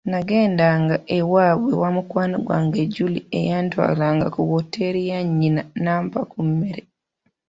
Nagenda ewaabwe wa mukwano gwange Julie eyantwalanga ku wooteeri ya nnyina n'ampa ku mmere.